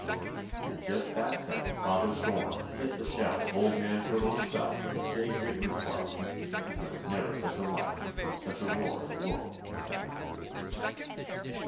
And just that second Father Storm hit the shell of Old Man Turtle Himself with a big hickory club, and there was never such a light nor such a roar in the world as that was.